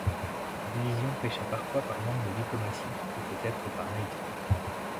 La division pêcha parfois par manque de diplomatie, ou peut-être par naïveté.